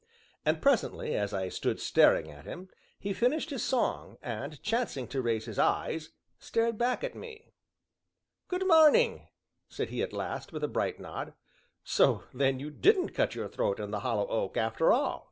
And presently, as I stood staring at him, he finished his song, and chancing to raise his eyes stared back at me. "Good morning!" said he at last, with a bright nod. "So then you didn't cut your throat in the Hollow Oak, after all?"